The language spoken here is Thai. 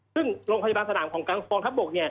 ซึ่งโรงพยาบาลสนามของกองทัพบก